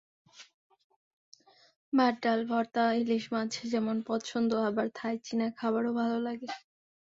ভাত, ডাল, ভর্তা, ইলিশ মাছ যেমন পছন্দ, আবার থাই-চীনা খাবারও ভালো লাগে।